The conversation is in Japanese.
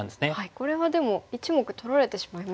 これはでも１目取られてしまいますよね。